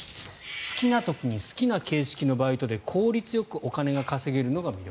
好きな時に好きな形式のバイトで効率よくお金が稼げるのが魅力。